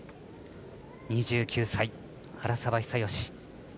２９歳、原沢久喜。